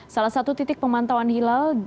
salah satu titik pemantauan hilal